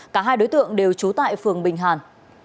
cả hai đối tượng đều trú tại phường bình hàn